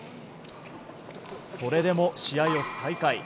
それでも試合を再開。